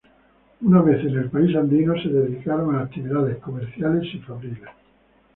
Una vez en el país andino se dedicaron a actividades comerciales y fabriles.